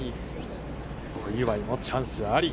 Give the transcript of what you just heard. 小祝もチャンスあり。